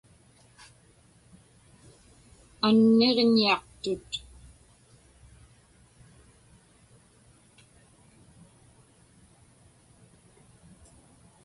Anniġñiaqtut.